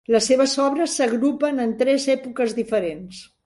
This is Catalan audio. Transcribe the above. Les seves obres s'agrupen en tres èpoques diferents.